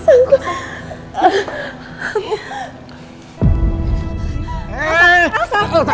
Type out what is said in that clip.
aku gak mau pisah